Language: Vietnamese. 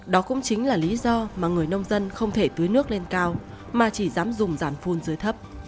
đó cũng chính là lý do mà người nông dân không thể tưới nước lên cao mà chỉ dám dùng giảm phun dưới thấp